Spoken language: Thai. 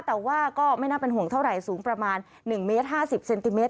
แต่ว่าก็ไม่น่าเป็นห่วงเท่าไหร่สูงประมาณ๑เมตร๕๐เซนติเมต